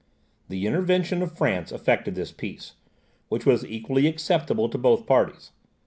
The intervention of France effected this peace, which was equally acceptable to both parties.